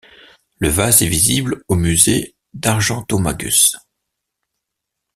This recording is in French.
Le vase est visible au musée d'Argentomagus.